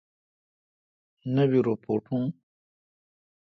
نہ بی رو پوٹون۔